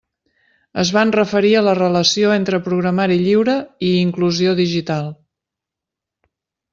Es van referir a la relació entre programari lliure i inclusió digital.